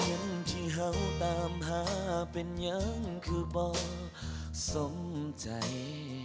คนที่เราตามหาเป็นอย่างคือบ่สมใจ